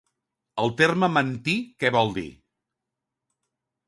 El terme mantí què vol dir?